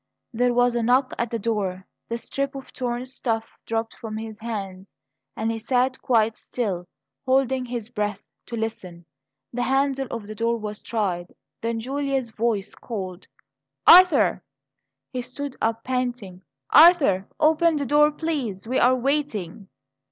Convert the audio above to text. There was a knock at the door. The strip of torn stuff dropped from his hands, and he sat quite still, holding his breath to listen. The handle of the door was tried; then Julia's voice called: "Arthur!" He stood up, panting. "Arthur, open the door, please; we are waiting."